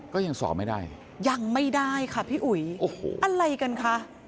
ก็ยังสอบไม่ได้ยังไม่ได้ค่ะพี่อุ๋ยโอ้โหอะไรกันคะ